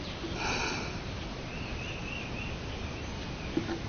El cañón de cambio rápido tiene un apagallamas ranurado.